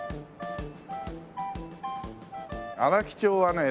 荒木町はね